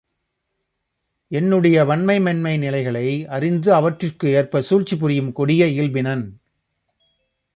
என்னுடைய வன்மை மென்மை நிலைகளை அறிந்து அவற்றிற்கு ஏற்பச் சூழ்ச்சிபுரியும் கொடிய இயல்பினன்.